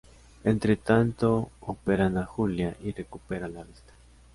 Entre tanto operan a Julia y recupera la vista.